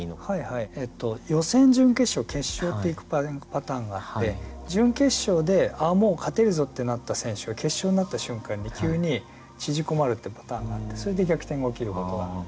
予選準決勝決勝っていくパターンがあって準決勝で「あもう勝てるぞ」ってなった選手が決勝になった瞬間に急に縮こまるってパターンがあってそれで逆転が起きることは。